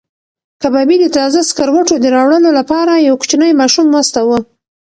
کبابي د تازه سکروټو د راوړلو لپاره یو کوچنی ماشوم واستاوه.